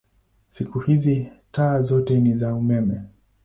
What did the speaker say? Siku hizi taa zote ni za umeme.